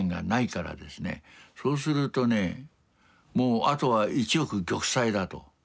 そうするとねもうあとは一億玉砕だと。